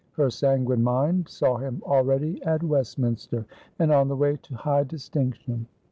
Her sanguine mind saw him already at Westminster, and on the way to high distinction.